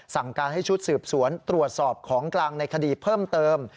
สั่งการให้ชุดสืบสวนตรวจสอบของกลางในคดีเพิ่มเติม